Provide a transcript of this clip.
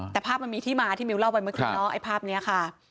แต่ภาพมันมีที่มาที่มิวเล่าไปเมื่อกี้เนาะไอ้ภาพนี้ค่ะ